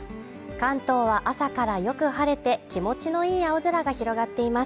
関東は朝からよく晴れて気持ちの良い青空が広がっています。